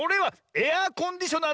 エアコンディショナー？